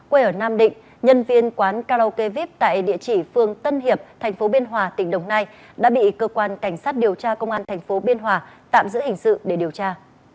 quê ở nam định nhân viên quán karaoke vip tại địa chỉ phường tân hiệp thành phố biên hòa tỉnh đồng nai đã bị cơ quan cảnh sát điều tra công an thành phố biên hòa tạm giữ hình sự để điều tra